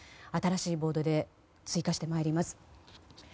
新しいボードで追加して参ります。